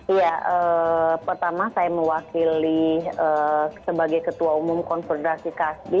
iya pertama saya mewakili sebagai ketua umum konfederasi kasbi